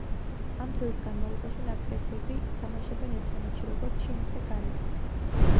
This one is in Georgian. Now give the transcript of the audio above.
ამ დროის განმავლობაში ნაკრებები ითამაშებენ ერთმანეთში როგორც შინ, ისე გარეთ.